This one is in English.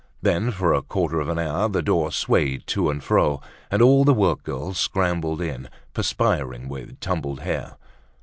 Then for a quarter of an hour the door swayed to and fro, and all the workgirls scrambled in, perspiring with tumbled hair.